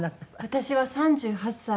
私は３８歳です。